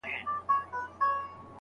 ناپوه دومره په بل نه کوي لکه په ځان.